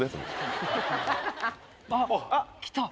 あっ来た。